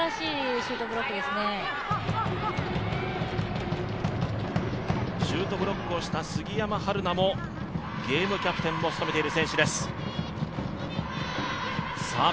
シュートブロックをした杉山遥菜もゲームキャプテンを務めている選手です。